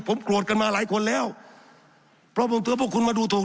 ผมโกรธกันมาหลายคนแล้วเพราะผมถือว่าพวกคุณมาดูถูก